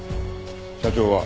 社長は？